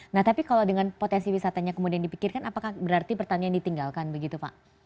nah tapi kalau dengan potensi wisatanya kemudian dipikirkan apakah berarti pertanian ditinggalkan begitu pak